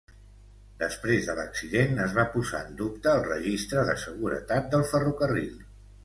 Després de l'accident es va posar en dubte el registre de seguretat del ferrocarril.